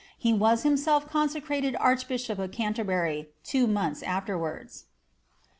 "* He was himself consecrated archbishop of Ganteibury two months afterwards.